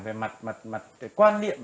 về mặt quan điểm